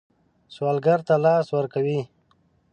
سوالګر ته لاس ورکوئ